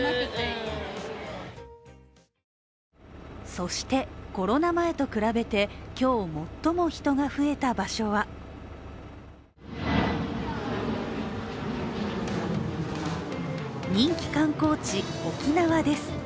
そしてコロナ前と比べて今日、最も人が増えた場所は人気観光地、沖縄です。